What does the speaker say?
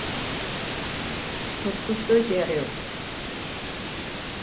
そっとしといてやれよ